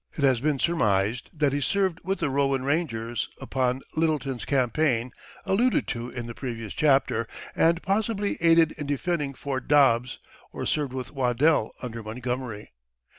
It has been surmised that he served with the Rowan rangers upon Lyttleton's campaign, alluded to in the previous chapter, and possibly aided in defending Fort Dobbs, or served with Waddell under Montgomery.